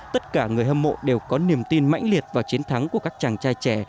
tất cả người hâm mộ đều có niềm tin mãnh liệt vào chiến thắng của các chàng trai trẻ